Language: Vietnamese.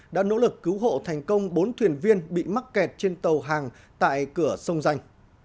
đã nỗ lực cứu hộ thành công bốn thuyền viên bị mắc kẹt trên tàu hàng tại cửa sông danh